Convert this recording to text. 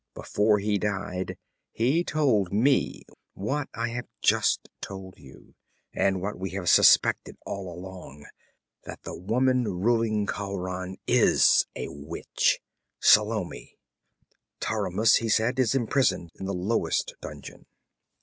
Before he died he told me what I have just told you, and what we have suspected all along that the woman ruling Khauran is a witch: Salome. Taramis, he said, is imprisoned in the lowest dungeon.